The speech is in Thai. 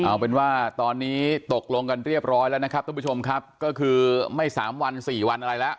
เอาเป็นว่าตอนนี้ตกลงกันเรียบร้อยแล้วนะครับทุกผู้ชมครับก็คือไม่สามวันสี่วันอะไรแล้ว